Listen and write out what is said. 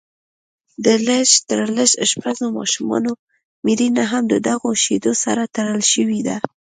د لږ تر لږه شپږو ماشومانو مړینه هم ددغو شیدو سره تړل شوې ده